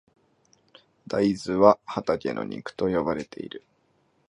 大豆は畑の肉と呼ばれている。